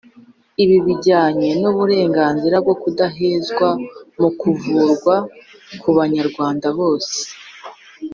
ibi bijyana n’uburenganzira bwo kudahezwa mu kuvurwa ku banyarwanda bose.